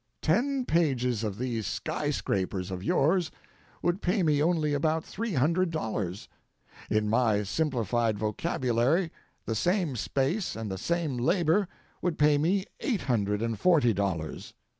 Ten pages of these sky scrapers of yours would pay me only about three hundred dollars; in my simplified vocabulary the same space and the same labor would pay me eight hundred and forty dollars.